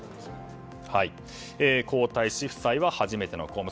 皇太子夫妻は初めての公務。